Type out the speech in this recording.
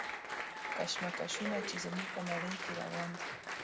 کشمکشونه چې زموږ په نړۍ کې روان دي.